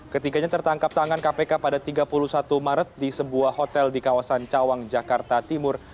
ketiganya tertangkap tangan kpk pada tiga puluh satu maret di sebuah hotel di kawasan cawang jakarta timur